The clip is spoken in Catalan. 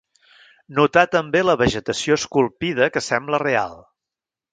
Notar també la vegetació esculpida que sembla real.